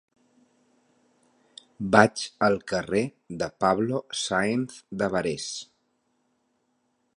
Vaig al carrer de Pablo Sáenz de Barés.